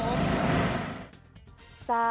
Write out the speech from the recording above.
ล้ำ